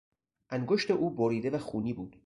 انگشت او بریده و خونی بود.